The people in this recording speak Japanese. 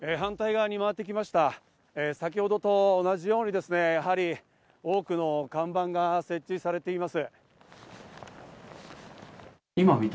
先程と同じように、やはり多くの看板が設置されています。